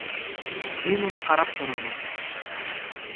Мин уны ҡарап торормон